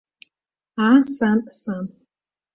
Аа, сан, сан!